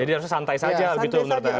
jadi harusnya santai saja begitu menurut anda